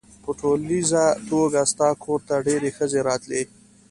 په ټولیزه توګه ستا کور ته ډېرې ښځې راتلې.